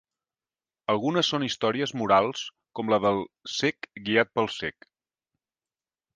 Algunes són històries morals com la del "cec guiat pel cec".